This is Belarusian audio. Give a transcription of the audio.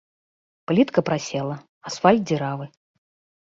Плітка прасела, асфальт дзіравы.